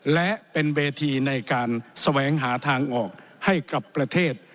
และเป็นเวทีในการแสวงหาทางออกให้กับประเทศ